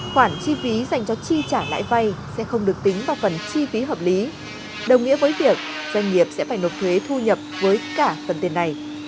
khoản chi phí dành cho chi trả lãi vay sẽ không được tính vào phần chi phí hợp lý đồng nghĩa với việc doanh nghiệp sẽ phải nộp thuế thu nhập với cả phần tiền này